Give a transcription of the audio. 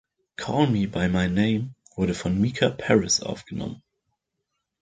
„Call Me by My Name“ wurde von Mica Paris aufgenommen.